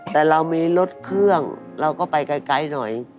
แต่เรามีรถเครื่องเราก็ไปไกลหน่อย